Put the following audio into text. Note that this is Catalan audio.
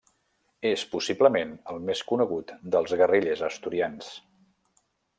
És possiblement el més conegut dels guerrillers asturians.